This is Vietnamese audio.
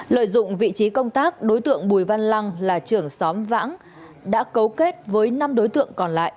lợi dụng vị trí công tác đối tượng bùi văn lăng là trưởng xóm vãng đã cấu kết với năm đối tượng còn lại